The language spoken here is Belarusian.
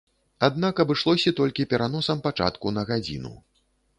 Аднак абышлося толькі пераносам пачатку на гадзіну.